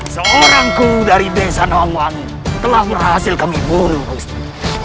seorang kubu dari besan wangi telah berhasil kami buru gusti